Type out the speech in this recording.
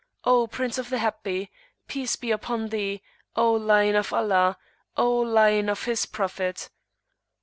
O Prince of the Happy! Peace be upon Thee, O Lion of Allah! O Lion of His Prophet!"